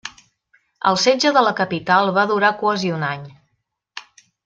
El setge de la capital va durar quasi un any.